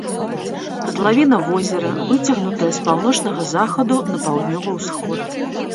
Катлавіна возера выцягнутая з паўночнага захаду на паўднёвы ўсход.